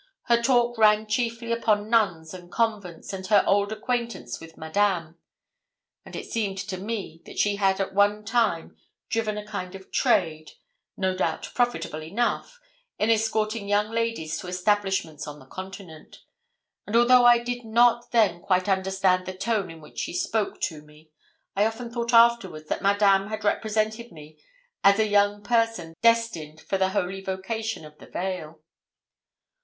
Her talk ran chiefly upon nuns and convents, and her old acquaintance with Madame; and it seemed to me that she had at one time driven a kind of trade, no doubt profitable enough, in escorting young ladies to establishments on the Continent; and although I did not then quite understand the tone in which she spoke to me, I often thought afterwards that Madame had represented me as a young person destined for the holy vocation of the veil.